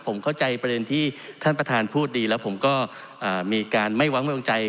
ผมเข้าใจประเด็นที่ท่านประธานพูดดีแล้วผมก็มีการไม่ว้างวงใจ